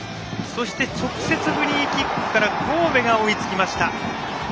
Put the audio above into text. そして直接フリーキックから神戸が追いつきました。